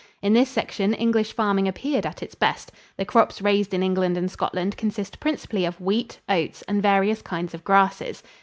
In this section English farming appeared at its best. The crops raised in England and Scotland consist principally of wheat, oats and various kinds of grasses.